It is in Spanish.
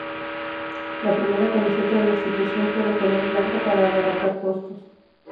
La primera camiseta de la institución fue de color blanca para abaratar costos.